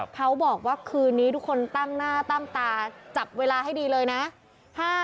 เขาบอกว่าคืนนี้ทุกคนตั้งหน้าตั้งตาจับเวลาให้ดีเลยนะ